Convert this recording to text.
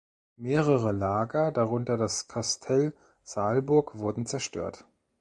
Mehrere Lager, darunter das Kastell Saalburg, wurden zerstört.